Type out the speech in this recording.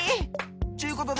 ちゅうことではい